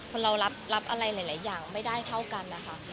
เรารับอะไรหลายอย่างไม่ได้เท่ากันนะคะ